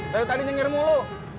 dari tadi nyengir mulu